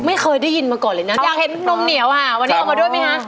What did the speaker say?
ไม่เคยได้ยินมาก่อนเลยนะอยากเห็นนมเหนียวค่ะวันนี้เอามาด้วยไหมคะ